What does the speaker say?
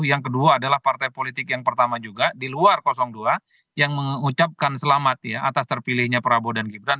yang kedua adalah partai politik yang pertama juga di luar dua yang mengucapkan selamat ya atas terpilihnya prabowo dan gibran